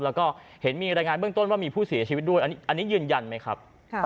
แล้วก็เห็นมีรายงานเบื้องต้นว่ามีผู้เสียชีวิตด้วยอันนี้ยืนยันไหมครับ